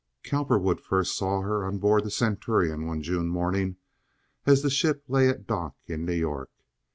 Cowperwood first saw her on board the Centurion one June morning, as the ship lay at dock in New York.